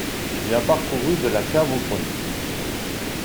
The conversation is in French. Il la parcourut de la cave au grenier.